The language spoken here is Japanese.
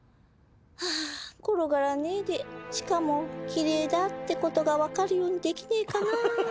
ハァ転がらねえでしかもきれいだってことが分かるようにできねえかな。